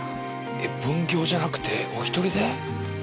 え分業じゃなくてお一人で？